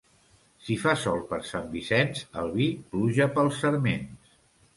Si fa sol per Sant Vicenç, el vi puja pels sarments.